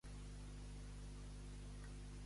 Demònax era un filòsof?